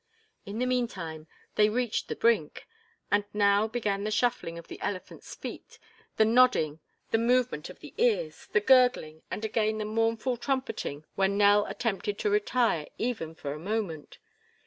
In the meantime they reached the brink. And now began the shuffling of the elephant's feet, the nodding, the movements of the ears, the gurgling, and again the mournful trumpeting when Nell attempted to retire even for a moment.